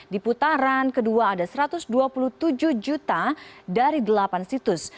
di putaran kedua ada satu ratus dua puluh tujuh juta dari delapan situs